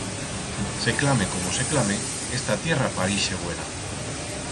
Se clame como se clame, esta tierra parixe buena.